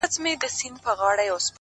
پوهه د فرصتونو افق پراخوي!